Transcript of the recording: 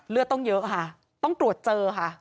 เลือดต้องเยอะค่ะต้องตรวจเจอค่ะ